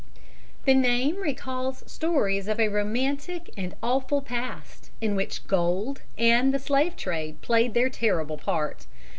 _ The name recalls stories of a romantic and awful past, in which gold and the slave trade played their terrible part.